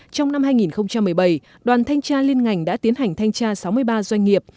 trong năm hai nghìn một mươi bảy đoàn thanh tra liên ngành đã tiến hành thanh tra sáu mươi ba doanh nghiệp